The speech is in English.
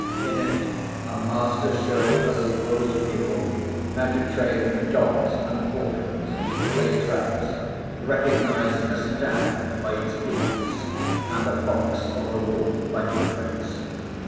In it, a master showed a supposed pupil how to train dogs and falcons, lay traps, recognise a stag by its fumets, and a fox or a wolf by footprints.